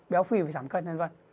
béo phì phải giảm cân vân vân